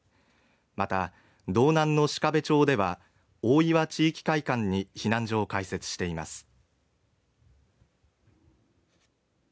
また、道南の鹿部町ではば、地域会館に避難所を開設しています。